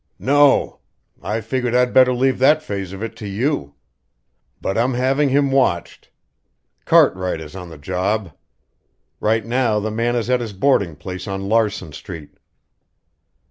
"No. I figured I'd better leave that phase of it to you; but I'm having him watched. Cartwright is on the job. Right now the man is at his boarding place on Larson Street."